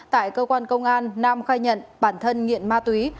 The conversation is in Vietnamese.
tại cơ quan công an nam khai nhận bản thân nghiện ma túy